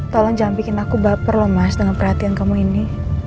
tolong jangan bikin aku baper loh mas dengan perhatian kamu ini